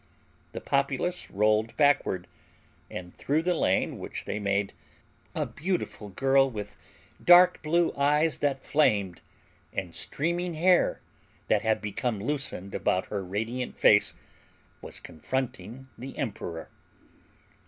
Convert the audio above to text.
The populace rolled backward, and through the lane which they made a beautiful girl with dark blue eyes that flamed and streaming hair that had become loosened about her radiant face was confronting the emperor.